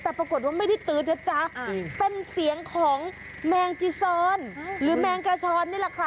แต่ปรากฏว่าไม่ได้ตื๊ดนะจ๊ะเป็นเสียงของแมงจีซอนหรือแมงกระชอนนี่แหละค่ะ